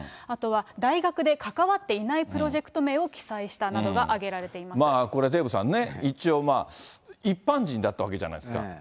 あとは大学で関わっていないプロジェクト名を記載したなどが挙げこれ、デーブさんね、一応、一般人だったわけじゃないですか。